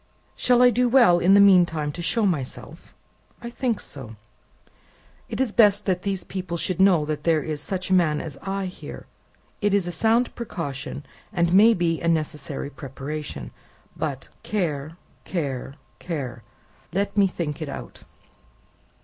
"Shall I do well, in the mean time, to show myself? I think so. It is best that these people should know there is such a man as I here; it is a sound precaution, and may be a necessary preparation. But care, care, care! Let me think it out!"